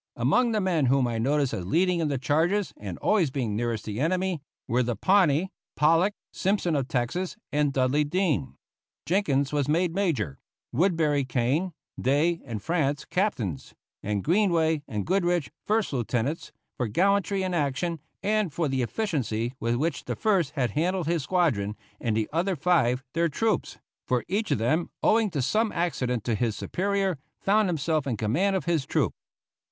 Among the men whom I noticed as leading in the charges and always being nearest the enemy, were the Pawnee, Pollock, Simpson of Texas, and Dudley Dean. Jenkins was made major, Woodbury Kane, Day, and Frantz captains, and Greenway and Goodrich first lieutenants, for gallantry in action, and for the efficiency with which the first had handled his squadron, and the other five their troops for each of them, owing to some accident to his superior, found himself in command of his troop.